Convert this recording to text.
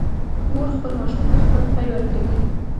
مور خپل ماشوم ته خپل پی ورکوي